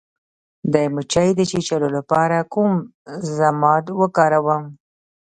د مچۍ د چیچلو لپاره کوم ضماد وکاروم؟